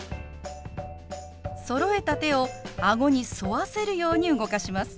そろえた手を顎に沿わせるように動かします。